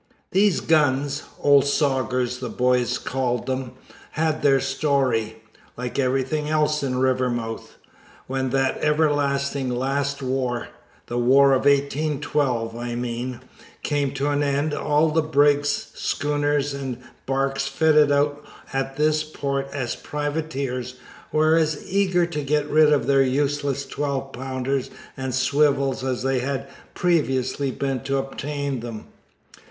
These guns ("old sogers" the boys called them) had their story, like everything else in Rivermouth. When that everlasting last war the War of 1812, I mean came to an end, all the brigs, schooners, and barks fitted out at this port as privateers were as eager to get rid of their useless twelve pounders and swivels as they had previously been to obtain them.